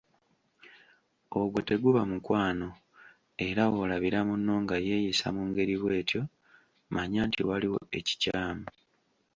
Ogwo teguba mukwano era w'olabira munno nga yeeyisa mu ngeri bw'etyo mannya nti waliwo ekikyamu.